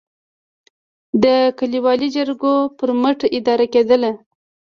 د کلیوالو د جرګو پر مټ اداره کېدل.